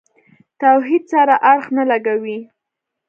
توحید سره اړخ نه لګوي.